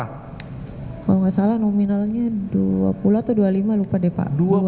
kalau nggak salah nominalnya dua puluh atau dua puluh lima lupa deh pak